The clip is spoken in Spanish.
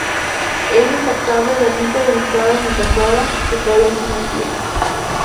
Es destacable la ermita dedicada a Santa Clara, que todavía sigue en pie.